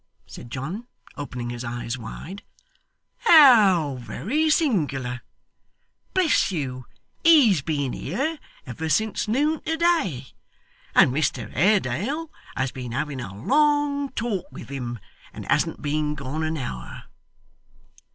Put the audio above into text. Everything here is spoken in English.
said John, opening his eyes wide. 'How very singular! Bless you, he's been here ever since noon to day, and Mr Haredale has been having a long talk with him, and hasn't been gone an hour.